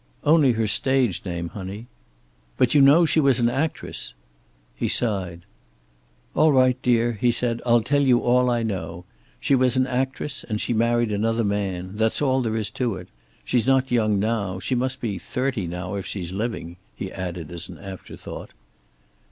"Only her stage name, honey." "But you know she was an actress!" He sighed. "All right, dear," he said. "I'll tell you all I know. She was an actress, and she married another man. That's all there is to it. She's not young now. She must be thirty now if she's living," he added, as an afterthought.